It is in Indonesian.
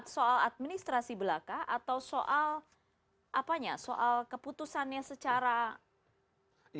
soal administrasi belaka atau soal keputusannya secara